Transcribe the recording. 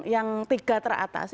yang tiga teratas